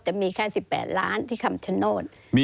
จะมีแค่๑๘ล้านที่คำชโนธ